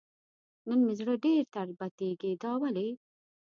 نن مې زړه ډېر تربتېږي دا ولې ؟